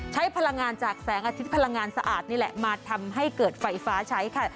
ใช้พลังงานจากแสงอาทิตย์พลังงานสะอาดนี่แหละมาทำให้เกิดไฟฟ้าใช้ค่ะ